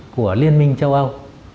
của liên minh châu âu